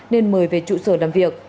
nên mời về trụ sở làm việc